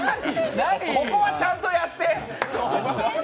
ここはちゃんとやって！